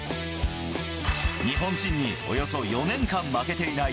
日本人におよそ４年間負けていない